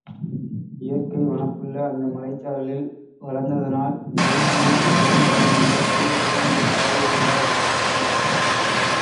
இயற்கை வனப்புள்ள அந்த மலைச் சாரலில் வளர்ந்ததனால் விரிசிகை கள்ளங் கபடமற்ற தூய உள்ளமுடையவளாக இருந்தாள்.